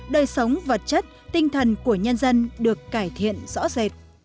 đời sống vật chất tinh thần của nhân dân được cải thiện rõ rệt